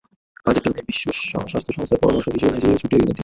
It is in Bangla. কাজের টানে বিশ্ব স্বাস্থ্য সংস্থার পরামর্শক হিসেবে নাইজেরিয়া ছুটে গেলেন তিনি।